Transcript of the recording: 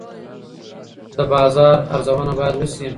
د بازار ارزونه باید وشي.